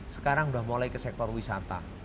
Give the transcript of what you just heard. sekarang sudah mulai ke sektor wisata